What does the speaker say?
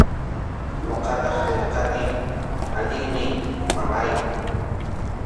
Ñuqataq nirqani: allinmi, mamáy.